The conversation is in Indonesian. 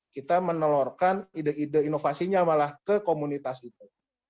kita menelurkan ide ide inovasinya malah ke komunitas itu